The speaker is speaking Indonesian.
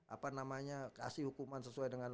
apa namanya kasih hukuman sesuai dengan